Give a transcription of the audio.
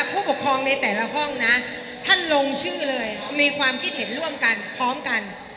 ผู้ปกครองในแต่ละห้องนะท่านลงชื่อเลยมีความคิดเห็นร่วมกันพร้อมกัน